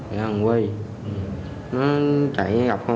hiện công an cảnh sát điều tra